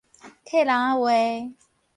客人仔話